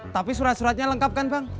tapi surat suratnya lengkap kan bang